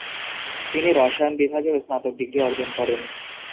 তিনি রসায়ন বিভাগেও স্নাতক ডিগ্রি অর্জন করেন।